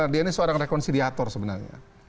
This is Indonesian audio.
dia ini seorang rekonsiliator sebenarnya